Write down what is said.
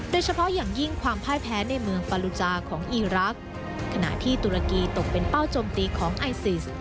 โดยเฉพาะอย่างยิ่งความพ่ายแพ้ในเมืองปารุจาของอีรักษ์ขณะที่ตุรกีตกเป็นเป้าจมตีของไอซิส